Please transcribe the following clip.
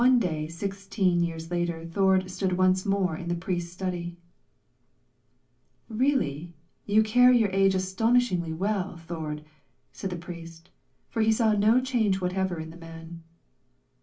One day sixteen years later, Thord stood once more in the priest's study. "Really, you carry your age astonishingly well, Thord," said the priest; for he saw no change whatever in the man.